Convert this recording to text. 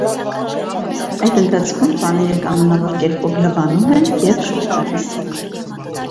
Այդ ընթացքում պանիրը կանոնավոր կերպով լվանում են և շուռ տալիս։